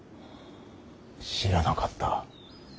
知らなかった。